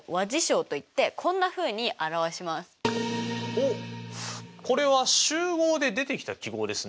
おっこれは集合で出てきた記号ですね。